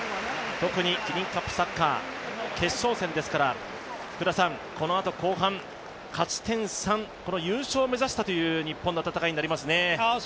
特にキリンカップサッカー決勝戦ですからこのあと後半、勝ち点３、優勝を目指したという日本の戦いになりますね。